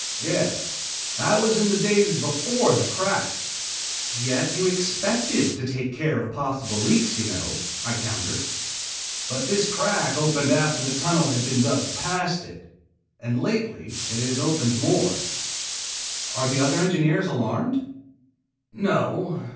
"Yes, that was in the days before the crack." "Yet you expected to take care of possible leaks, you know," I countered. "But this crack opened after the tunnel had been dug past it, and lately it has opened more." "Are the other engineers alarmed?" "No.